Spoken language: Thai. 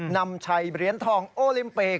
นำชัยเรียนทองโอลิมเปค